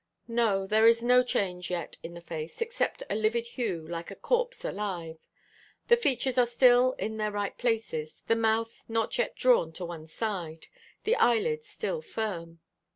"No, there is no change yet in the face, except a livid hue, like a corpse alive. The features are still in their right places, the mouth not yet drawn to one side; the eyelids still firm.